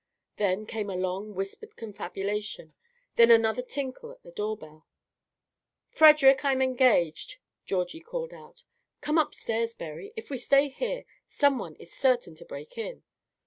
Then came a long whispered confabulation; then another tinkle at the door bell. "Frederic, I am engaged," Georgie called out. "Come upstairs, Berry. If we stay here, some one is certain to break in."